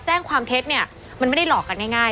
แจ้งความเท็จเนี่ยมันไม่ได้หลอกกันง่าย